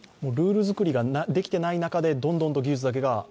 ルールづくりができていない中でどんどんと技術だけが？